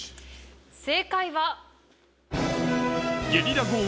正解は。